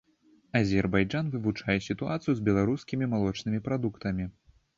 Азербайджан вывучае сітуацыю з беларускімі малочнымі прадуктамі.